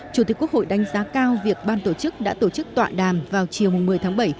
chủ tịch quốc hội đánh giá cao việc ban tổ chức đã tổ chức tọa đàm vào chiều một mươi tháng bảy